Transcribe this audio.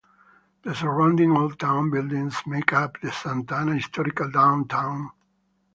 The surrounding old town buildings make up the Santa Ana Historical Downtown.